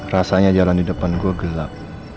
rasanya jalan di depan gue gelap